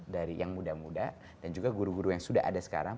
dari yang muda muda dan juga guru guru yang sudah ada sekarang